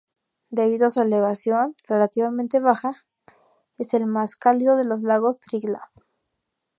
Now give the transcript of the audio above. Debido a su elevación relativamente baja, es el más cálido de los lagos Triglav.